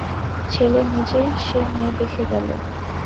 ছেলে নিজে সে মেয়ে দেখে গেল।